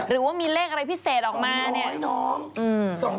หรือว่ามีเลขอะไรพิเศษออกมาเนี่ย